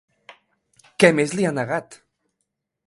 Què més li ha negat?